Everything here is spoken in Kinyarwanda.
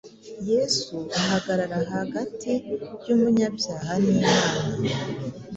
Yesu ahagarara hagati y’umunyabyaha n’Imana